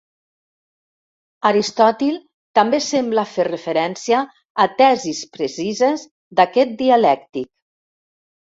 Aristòtil també sembla fer referència a tesis precises d'aquest dialèctic.